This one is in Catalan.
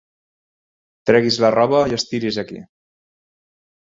Tregui's la roba i estiri's aquí.